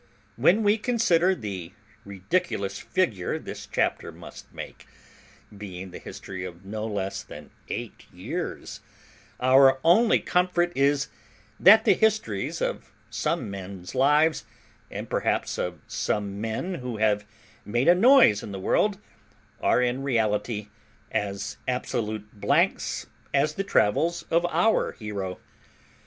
When we consider the ridiculous figure this chapter must make, being the history of no less than eight years, our only comfort is, that the histories of some men's lives, and perhaps of some men who have made a noise in the world, are in reality as absolute blanks as the travels of our hero.